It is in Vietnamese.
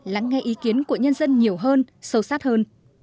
lắng nghe ý kiến của nhân dân nhiều hơn sâu sát hơn